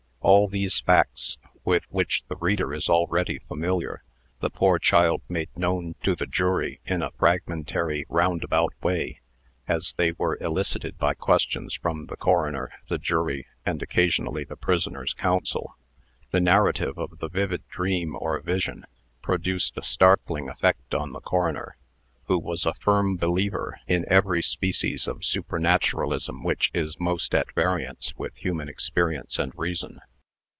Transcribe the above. All these facts, with which the reader is already familiar, the poor child made known to the jury in a fragmentary, roundabout way, as they were elicited by questions from the coroner, the jury, and occasionally the prisoner's counsel. The narrative of the vivid dream, or vision, produced a startling effect on the coroner, who was a firm believer in every species of supernaturalism winch is most at variance with human experience and reason.